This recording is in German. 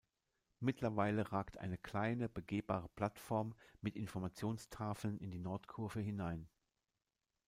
Mittlerweile ragt eine kleine, begehbare Plattform mit Informationstafeln in die Nordkurve hinein.